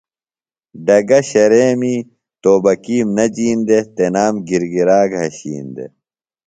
ڈگہ، شریمی توبکِیم نہ جِین دےۡ تنام گِرگِرا گھشِین دےۡ۔